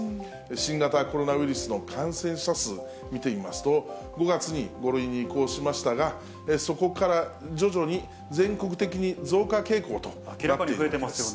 新型コロナウイルスの感染者数見てみますと、５月に５類に移行しましたが、そこから徐々に全国的に増加傾向となっています。